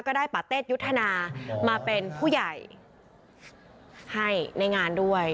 ได้ปาเตศยุทธนามาเป็นผู้ใหญ่ให้ในงานด้วย